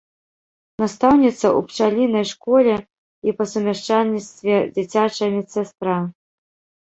Настаўніца ў пчалінай школе і па сумяшчальніцтве дзіцячая медсястра.